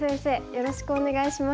よろしくお願いします。